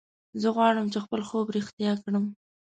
زه غواړم چې خپل خوب رښتیا کړم